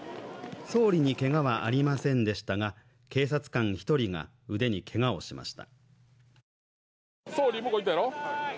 総理にけがはありませんでしたが、警察官１人が腕にけがをしました。